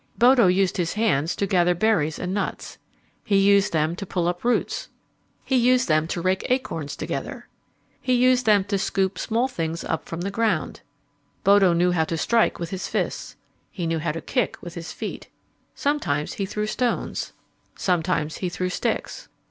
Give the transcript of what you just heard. Bodo used his hands to gather berries and nuts. He used them to pull up roots. He used them to rake the acorns together. [Illustration: "Sometimes Bodo threw stones"] He used them to scoop small things up from the ground. Bodo knew how to strike with his fists. He knew how to kick with his feet. Sometimes he threw stones. Sometimes he threw sticks.